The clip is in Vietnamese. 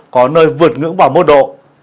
có nơi vượt ngưỡng vào mức độ